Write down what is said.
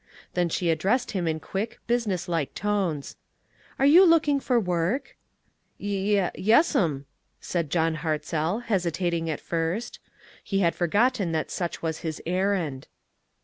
Then she addressed him in quick, business like tones :" Are you looking for work ?" "Ye yes'm," said John Hartzell, hesitat ing at first; he had forgotton that such was his errand.